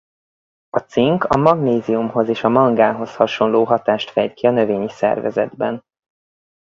A cink a magnéziumhoz és a mangánhoz hasonló hatást fejt ki a növényi szervezetben.